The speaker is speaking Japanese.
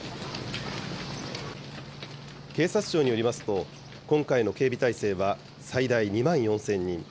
警察庁によりますと、今回の警備態勢は、最大２万４０００人。